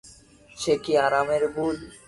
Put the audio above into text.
সে কি আরামের ভুল!